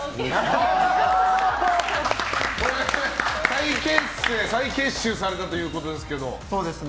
再結成再結集されたということですけど。